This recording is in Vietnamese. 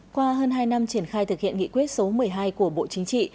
qua hơn hai năm triển khai thực hiện nghị quyết số một mươi hai của bộ chính trị